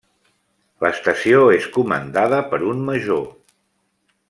L'estació és comandada per un major.